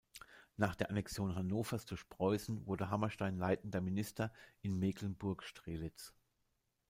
Nach der Annexion Hannovers durch Preußen wurde Hammerstein leitender Minister in Mecklenburg-Strelitz.